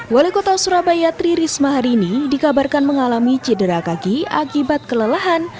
wali kota surabaya tri risma hari ini dikabarkan mengalami cedera kaki akibat kelelahan